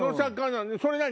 それ何？